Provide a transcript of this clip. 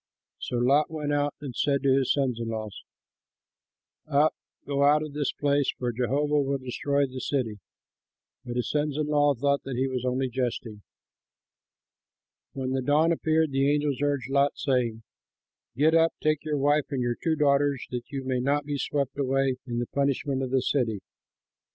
So Lot went out and said to his sons in law, "Up, go out of this place, for Jehovah will destroy the city." But his sons in law thought he was only jesting. When the dawn appeared, the angels urged Lot, saying, "Get up, take your wife and your two daughters that you may not be swept away in the punishment of the city."